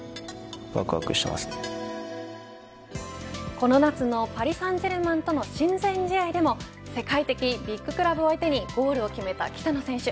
この夏のパリ・サンジェルマンとの親善試合でも世界的ビッグクラブを相手にゴールを決めた北野選手。